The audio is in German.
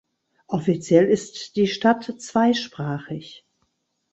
Offiziell ist die Stadt zweisprachig.